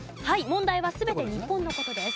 問題は全て日本の事です。